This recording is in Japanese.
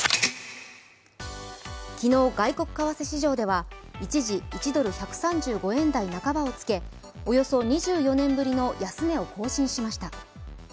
昨日、外国為替市場では一時、１ドル＝１３５円台半ばをつけおよそ２４年ぶりの安値を更新しました。